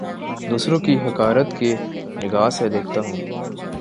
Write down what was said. دوسروں کو حقارت کی نگاہ سے دیکھتا ہوں